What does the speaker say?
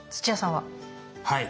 はい。